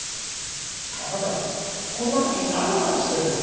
あなたこんな時になんの話してるんです？